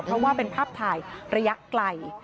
เพราะว่าเป็นภาพถ่ายระยะไกล